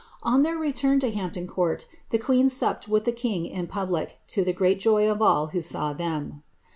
On their return to Hampton Court the queen supped with the king in poUic, to the great joy of all who saw them.'"